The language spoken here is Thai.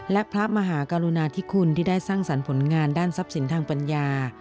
และพระมหากรุณาธิคุณที่ได้สร้างสรรค์ผลงานด้านทรัพย์สินทางปัญญา